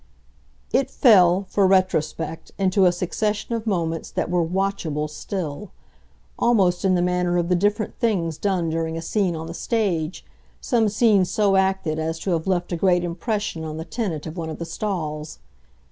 It fell, for retrospect, into a succession of moments that were WATCHABLE still; almost in the manner of the different things done during a scene on the stage, some scene so acted as to have left a great impression on the tenant of one of the stalls.